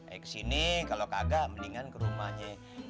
eh kesini kalau kagak mendingan ke rumahnya